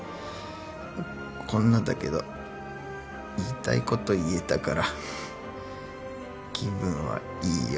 こんなだけど言いたいこと言えたから気分はいいよ。